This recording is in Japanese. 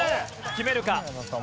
決めるか？